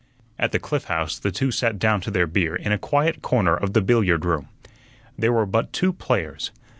At the Cliff House the two sat down to their beer in a quiet corner of the billiard room. There were but two players.